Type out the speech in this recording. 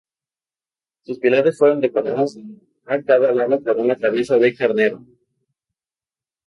Sus pilares fueron decorados a cada lado por una cabeza de carnero.